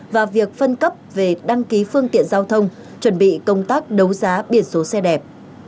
và việc phân cấp về đăng ký phương tiện giao thông chuẩn bị công tác đấu giá biển số xe đẹp